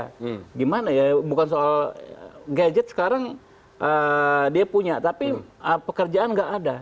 bagaimana ya bukan soal gadget sekarang dia punya tapi pekerjaan enggak ada